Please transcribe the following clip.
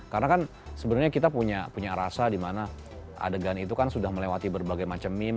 karena kan sebenarnya kita punya rasa dimana adegan itu kan sudah melewati berbagai macam meme